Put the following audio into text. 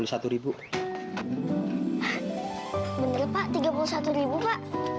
benar pak tiga puluh satu ribu pak